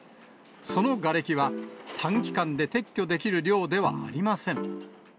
そのがれきは、短期間で撤去できる量ではありません。